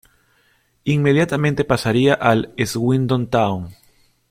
Inmediatamente pasaría al Swindon Town.